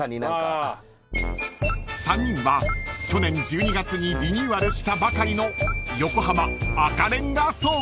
［３人は去年１２月にリニューアルしたばかりの横浜赤レンガ倉庫へ］